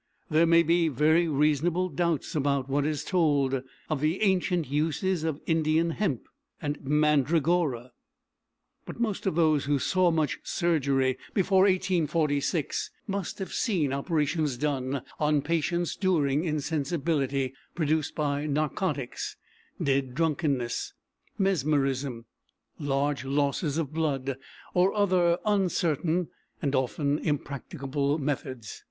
There may be very reasonable doubts about what is told of the ancient uses of Indian hemp, and mandragora; but most of those who saw much surgery before 1846 must have seen operations done on patients during insensibility produced by narcotics, dead drunkenness, mesmerism, large losses of blood or other uncertain and often impracticable methods.